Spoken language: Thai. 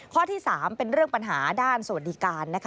ข้อที่๓เป็นเรื่องปัญหาด้านสวัสดิการ